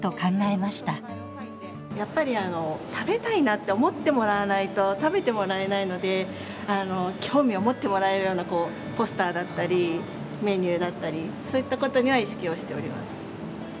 やっぱり食べたいなって思ってもらわないと食べてもらえないので興味を持ってもらえるようなポスターだったりメニューだったりそういったことには意識をしております。